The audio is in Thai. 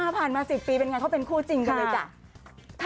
ผ่านมา๑๐ปีเป็นไงเขาเป็นคู่จริงกันเลยจ้ะ